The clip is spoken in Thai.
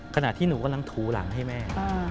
ขณะที่หนูกำลังถูหลังให้แม่